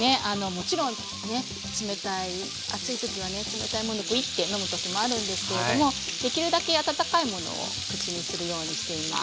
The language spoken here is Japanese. もちろんね冷たい暑い時はね冷たいものをグイッて飲む時もあるんですけれどもできるだけ温かいものを口にするようにしています。